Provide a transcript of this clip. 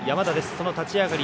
その立ち上がり